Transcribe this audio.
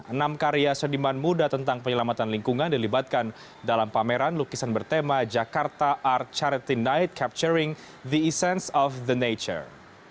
enam karya seniman muda tentang penyelamatan lingkungan dilibatkan dalam pameran lukisan bertema jakarta art charity night capturing the essence of the nature